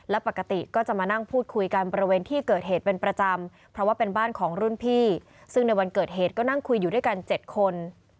และปกติก็จะมานั่งพูดคุยกันบริเวณที่เกิดเหตุเป็นประจำเพราะว่าเป็นบ้านของรุ่นพี่ซึ่งในวันเกิดเหตุก็นั่งคุยอยู่ด้วยกัน๗คน